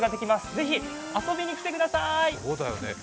ぜひ遊びに来てください！